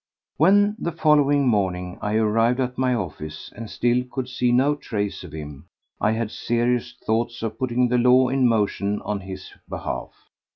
When the following morning I arrived at my office and still could see no trace of him, I had serious thoughts of putting the law in motion on his behalf.